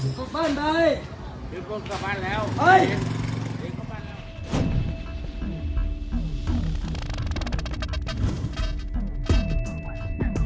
เฮ้ยลูกบ้านไปเดี๋ยวลูกกลับบ้านแล้วเฮ้ย